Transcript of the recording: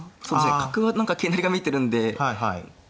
角は何か桂成りが見えてるんでうん何か。